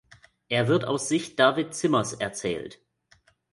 Er wird aus Sicht "David Zimmers" erzählt.